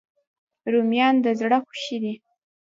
رومیان د زړه خوښي دي